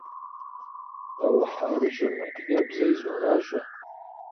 Къэухь ӏэрыщӏым адыгэбзэ изогъащӏэ.